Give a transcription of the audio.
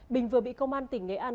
bình vừa bị công an tỉnh nghệ an